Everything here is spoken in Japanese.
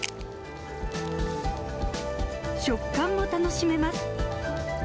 食感も楽しめます。